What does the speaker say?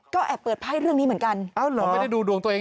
ก็แอบเปิดไพร่เรื่องนี้เหมือนกัน